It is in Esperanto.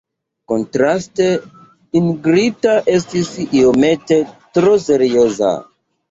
Kontraste, Ingrida estis iomete tro serioza.